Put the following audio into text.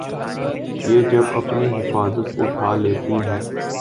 یہ جب اپنی حفاظت اٹھا لیتی ہے۔